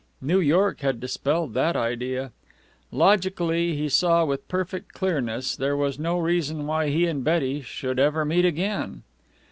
New York had dispelled that idea. Logically, he saw with perfect clearness, there was no reason why he and Betty should ever meet again.